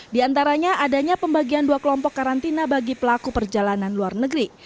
di antaranya adanya pembagian dua kelompok karantina bagi pelaku perjalanan luar negeri